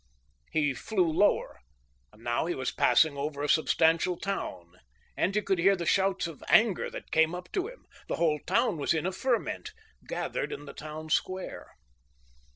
He flew lower, and now he was passing over a substantial town, and he could hear the shouts of anger that came up to him. The whole town was in a ferment, gathered in the town square.